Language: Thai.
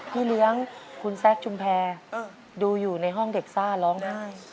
พี่เลี้ยงคุณแซคชุมแพรดูอยู่ในห้องเด็กซ่าร้องไห้